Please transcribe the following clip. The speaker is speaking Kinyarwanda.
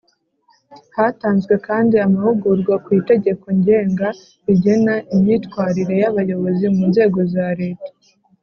hatanzwe kandi amahugurwa ku itegeko ngenga rigena imyitwarire y’abayobozi mu nzego za leta